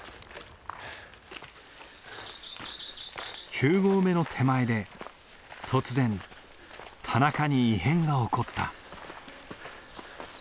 ９合目の手前で突然田中に異変が起こった。